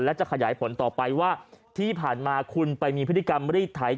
และจะขยายผลต่อไปว่าที่ผ่านมาคุณไปมีพฤติกรรมรีดไถ